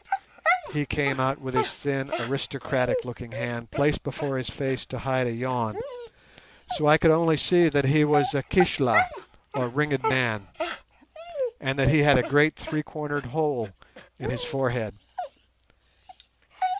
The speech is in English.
He came out with his thin aristocratic looking hand placed before his face to hide a yawn, so I could only see that he was a "Keshla" or ringed man, and that he had a great three cornered hole in his forehead.